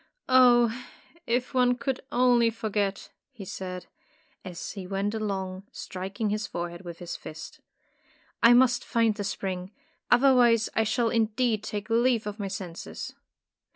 ''Oh, if one could only forget!" he said, as he went along, striking his fore head with his fist. "I must find the spring. Otherwise I shall indeed take leave of my senses."